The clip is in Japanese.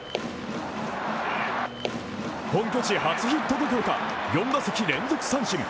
本拠地初ヒットどころか４打席連続三振。